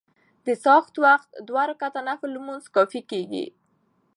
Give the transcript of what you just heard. د څاښت وخت دوه رکعته نفل لمونځ کافي کيږي .